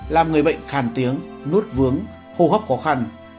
làm người bệnh khàn tiếng nuốt vướng hô hấp khó khăn